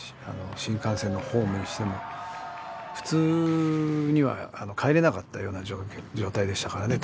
新幹線のホームにしても普通には帰れなかったような状態でしたからね